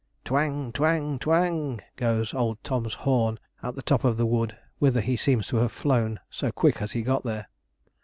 'Twang, twang, twang,' goes old Tom's horn at the top of the wood, whither he seems to have flown, so quick has he got there.